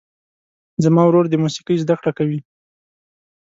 زما ورور د موسیقۍ زده کړه کوي.